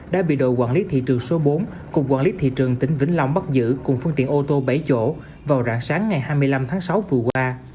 đã bị đội quản lý thị trường số bốn cục quản lý thị trường tỉnh vĩnh long bắt giữ cùng phương tiện ô tô bảy chỗ vào rạng sáng ngày hai mươi năm tháng sáu vừa qua